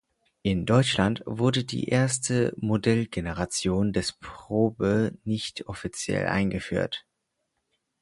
In Deutschland wurde die erste Modellgeneration des Probe nicht offiziell eingeführt.